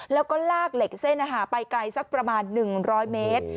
แล้วก็ลากเหล็กเส้นไปไกลสักประมาณ๑๐๐เมตร